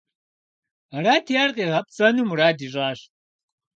Арати ар къигъэпцӀэну мурад ищӀащ.